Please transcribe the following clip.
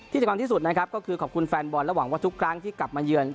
ที่สำคัญที่สุดนะครับก็คือขอบคุณแฟนบอลและหวังว่าทุกครั้งที่กลับมาเยือน